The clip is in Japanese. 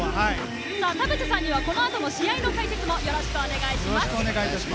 田臥さんにはこの後の試合の解説もよろしくお願いします。